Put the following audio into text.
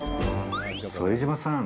副島さん！